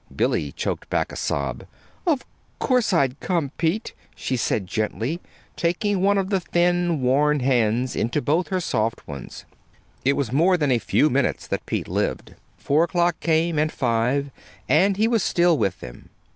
Billy choked back a sob. "Of course I'd come, Pete," she said gently, taking one of the thin, worn hands into both her soft ones. It was more than a few minutes that Pete lived. Four o'clock came, and five, and he was still with them.